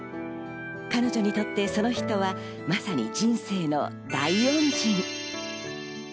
彼女にとってその人は、まさに人生の大恩人。